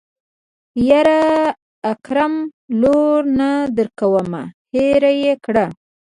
يره اکرم لور نه درکوي هېره يې که.